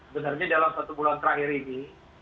benarnya dalam satu bulan terakhir ini